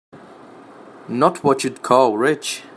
Not what you'd call rich.